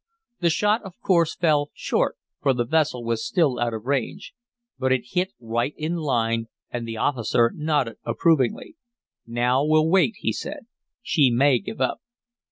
The shot of course fell short, for the vessel was still out of range; but it hit right in line, and the officer nodded approvingly. "Now we'll wait," he said. "She may give up."